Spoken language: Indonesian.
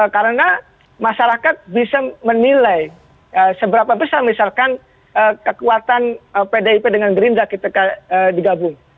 karena masyarakat bisa menilai seberapa besar misalkan kekuatan pdip dengan gerinda kita digabung